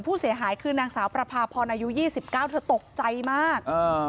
ผู้เสียหายคืนนางสาวประพาพรอายุ๒๙ตกใจมาก